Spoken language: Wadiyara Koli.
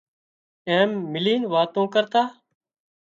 ايم ملينَ واتون ڪرتان تان